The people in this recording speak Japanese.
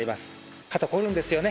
肩凝るんですよね。